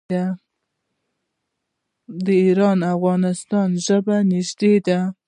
د ایران او افغانستان ژبه نږدې ده.